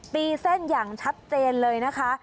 ตีเส้นอย่างชัดเจนเลยนะคะ